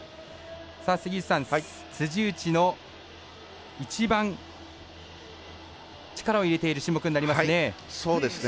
杉内さん、辻内の一番力を入れている種目になりますね。